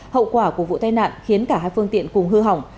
hậu quả của vụ tai nạn khiến cả hai phương tiện cùng hư hỏng